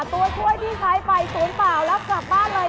ตัวช่วยที่ใช้ไป๐๙บาทแล้วกลับบ้านเลยนะ